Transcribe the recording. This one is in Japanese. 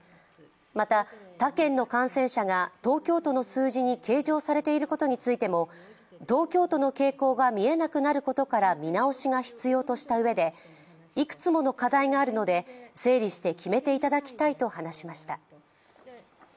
また、他県の感染者が東京都の数字に計上されていることについても東京都の傾向が見えなくなることから見直しが必要としたうえでいくつもの課題があるので整理して決めていただきたいと話しました。